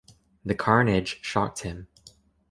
The carnage shocked him.